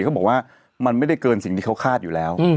เขาบอกว่ามันไม่ได้เกินสิ่งที่เขาคาดอยู่แล้ว